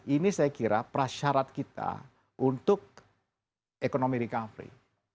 ini saya kira prasyarat kita untuk ekonomi recovery